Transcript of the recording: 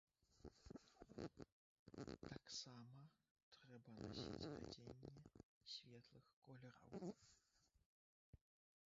Таксама трэба насіць адзенне светлых колераў.